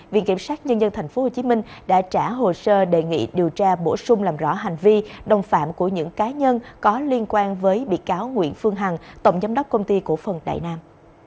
viện kiểm sát nhân dân tp hcm đã trả hồ sơ đề nghị điều tra bổ sung làm rõ hành vi đồng phạm của những cá nhân có liên quan với bị cáo nguyễn phương hằng tổng giám đốc công ty cổ phần đại nam